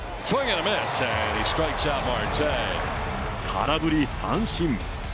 空振り三振。